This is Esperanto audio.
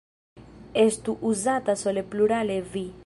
Estu uzata sole plurale "vi".